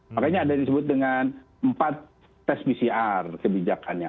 makanya ada disebut dengan empat tes pcr kebijakannya